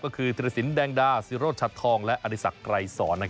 ก็คือธรีสินแดงดาสิโรชชัตอย์ทองและอธิสักรัยสร